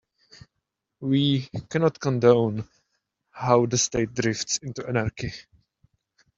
We cannot condone how the state drifts into anarchy.